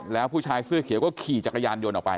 แล้วผู้ชายเสื้อเขียวก็ขี่จักรยานยนต์ออกไป